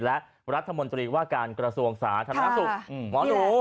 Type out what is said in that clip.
และรัฐมนตรีว่าการกระทรวงสาธารณสุขหมอหนู